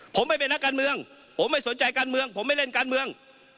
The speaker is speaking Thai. ผมไม่เป็นนักการเมืองผมไม่สนใจการเมืองผมไม่เล่นการเมือง